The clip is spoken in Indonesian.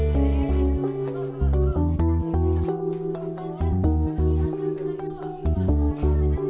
seratus puluhan lah